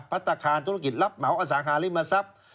พัฒนาคารธุรกิจรับเหมาอสังหาริมทรัพย์